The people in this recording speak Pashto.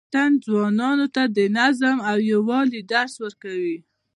اتڼ ځوانانو ته د نظم او یووالي درس ورکوي.